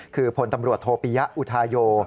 คือพลตำรวจโทปิยะอุทาโย